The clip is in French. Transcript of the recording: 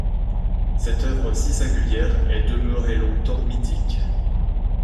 Cette œuvre si singulière est demeurée longtemps mythique.